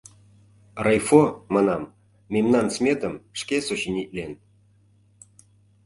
Райфо, манам, мемнан сметым шке сочинитлен.